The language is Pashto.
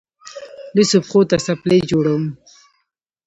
لوڅو پښو ته څپلۍ جوړوم.